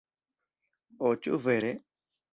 Oh ĉu vere?